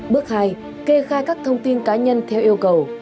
bước hai kê khai các thông tin cá nhân theo yêu cầu